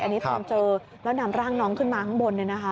อันนี้พร้อมเจอแล้วนำร่างน้องขึ้นมาข้างบน